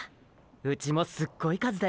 うちもすっごい数だよ。